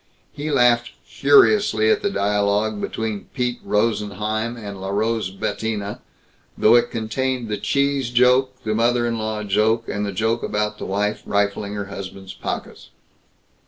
He laughed furiously at the dialogue between Pete Rosenheim & Larose Bettina, though it contained the cheese joke, the mother in law joke, and the joke about the wife rifling her husband's pockets.